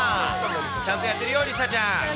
ちゃんとやってるよ、梨紗ちゃん。